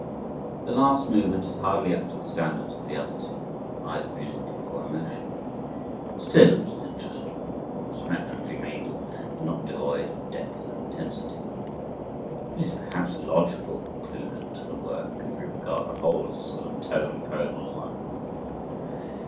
The last movement is hardly up to the standard of the other two, either musically or emotionally. Still it is interesting, symmetrically made, and not devoid of depth and intensity. It is perhaps a logical conclusion to the work, if we regard the whole as a sort of tone poem on life.